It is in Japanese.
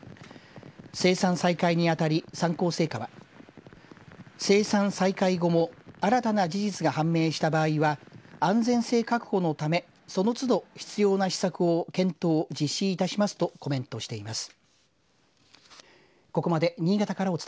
生産再開にあたり三幸製菓は生産再開後も新たな事実が判明した場合は安全性確保のためそのつど必要な施策を検討、実施いたしますとコメントしています。